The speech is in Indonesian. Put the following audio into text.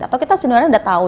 atau kita sebenarnya udah tahu